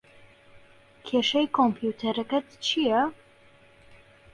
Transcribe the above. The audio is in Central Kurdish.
کێشەی کۆمپیوتەرەکەت چییە؟